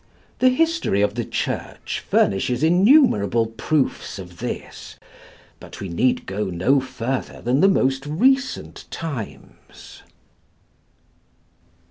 The history of the Church furnishes innumerable proofs of this, but we need go no further than the most recent times.